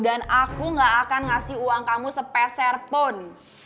dan aku gak akan ngasih uang kamu sepeserpun